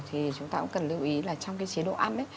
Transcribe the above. thì chúng ta cũng cần lưu ý là trong cái chế độ ăn ấy